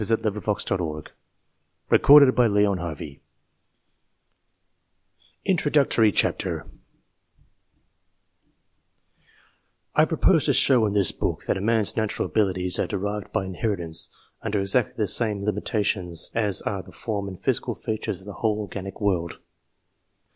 369 HEKEDITARY GENIUS HEREDITARY GENIUS INTRODUCTORY CHAPTER I PEOPOSE to show in this book that a man's natural abilities are derived by inheritance, under exactly the same limitations as are the form and physical features of the whole organic world.